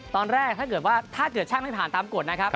ตอนแรกถ้าเกิดว่าถ้าเกิดช่างไม่ผ่านตามกฎนะครับ